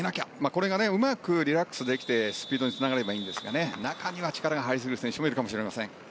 これがうまくリラックスできてスピードにつながればいいんですが中には力が入りすぎる選手もいるかもしれません。